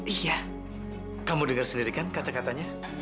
iya kamu dengar sendiri kan kata katanya